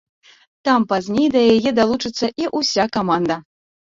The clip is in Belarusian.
Там пазней да яе далучыцца і ўся каманда.